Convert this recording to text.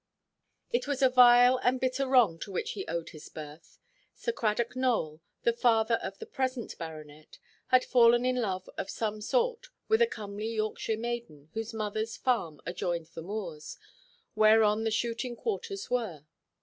It was a vile and bitter wrong to which he owed his birth. Sir Cradock Nowell, the father of the present baronet, had fallen in love of some sort with a comely Yorkshire maiden, whose motherʼs farm adjoined the moors, whereon the shooting quarters were.